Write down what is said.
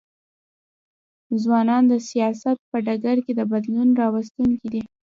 ځوانان د سیاست په ډګر کي د بدلون راوستونکي دي.